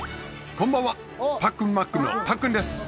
こんばんはパックンマックンのパックンです